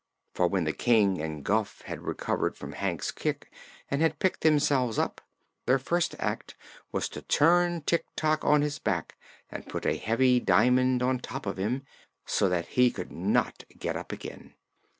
For when the King and Guph had recovered from Hank's kick and had picked themselves up, their first act was to turn Tik Tok on his back and put a heavy diamond on top of him, so that he could not get up again.